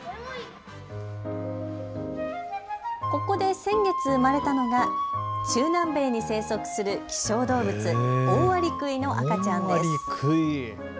ここで先月生まれたのが中南米に生息する希少動物、オオアリクイの赤ちゃんです。